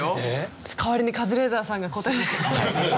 代わりにカズレーザーさんが答えてくれる。